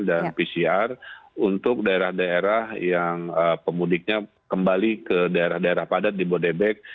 pcr untuk daerah daerah yang pemudiknya kembali ke daerah daerah padat di bodebek